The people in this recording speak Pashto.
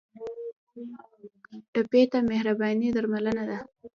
ټپي ته مهرباني درملنه ده.